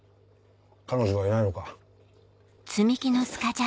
彼女はいないのか？